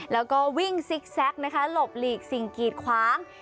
แล้วก็วิ่งซิกแซคนะคะหลบหลีกสิ่งกีดขวาง